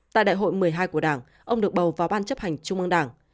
tại đại hội một mươi hai của đảng ông được bầu vào ban chấp hành trung ương đảng